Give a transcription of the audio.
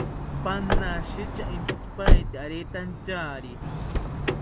Panashitya intzipaete aretantyari